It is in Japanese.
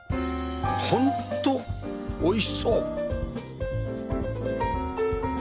ホント美味しそう！